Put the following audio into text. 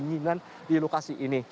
pendinginan di lokasi ini